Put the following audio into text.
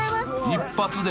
［一発で。